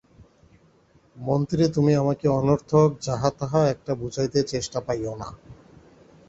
মন্ত্রী তুমি আমাকে অনর্থক যাহা-তাহা একটা বুঝাইতে চেষ্টা পাইয়ো না।